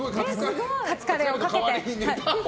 カツカレーをかけて。